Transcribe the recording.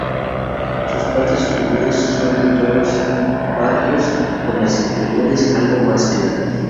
Sus partes superiores son de tonos pardos con las inferiores algo más claras.